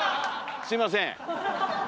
すいません。